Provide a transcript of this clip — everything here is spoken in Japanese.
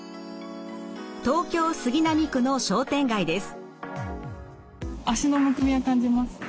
東京・杉並区の商店街です。